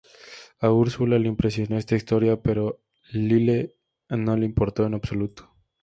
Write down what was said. A Úrsula le impresionó esta historia pero a Lyle no le importó en absoluto.